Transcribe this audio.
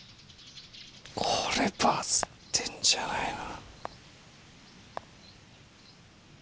これバズってんじゃないの？